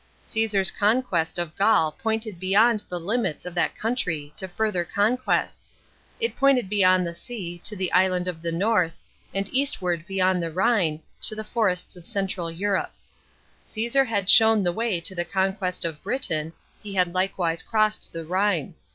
Csesar's conquest of Gaul pointed beyond the limits of that country to further conquests; it pointed beyond the sea, to the island of the north, and eastward beyond the Rhine, to the forests of central Europe. 55 B.C. 14 A.D. CESAR'S ACCOUNT OF GERMANY. 125 had shown the way to the conquest of Britain, he had likewise crossed the Rhine.